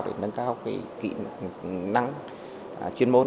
để nâng cao cái kỹ năng chuyên môn